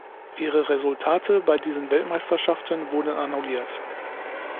Ihre Resultate bei diesen Weltmeisterschaften wurden annulliert.